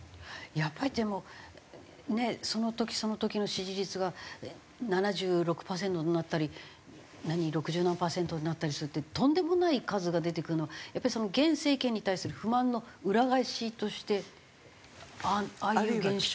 やっぱりでもねその時その時の支持率が７６パーセントになったり六十何パーセントになったりするってとんでもない数が出てくるのはやっぱり現政権に対する不満の裏返しとしてああいう現象。